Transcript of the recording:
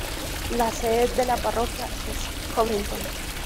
La sede de la parroquia es Covington.